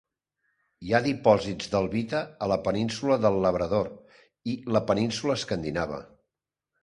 Hi ha dipòsits d'albita a la Península del Labrador i la península Escandinava.